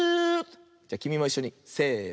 じゃきみもいっしょにせの。